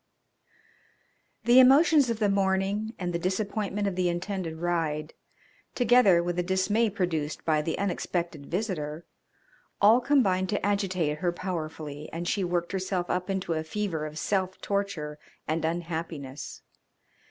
The emotions of the morning and the disappointment of the intended ride, together with the dismay produced by the unexpected visitor, all combined to agitate her powerfully, and she worked herself up into a fever of self torture and unhappiness.